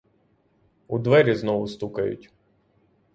У двері знову стукають.